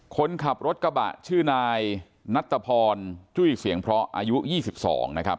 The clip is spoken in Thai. คนขับรถกระบะชื่อนายนัตตะพรจุ้ยเสียงเพราะอายุ๒๒นะครับ